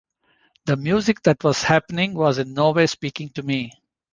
The music that was happening was in no way speaking to me.